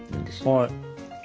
はい。